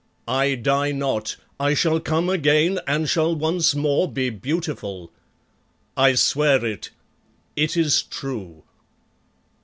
I die not. I shall come again and shall once more be beautiful. I swear it it is true.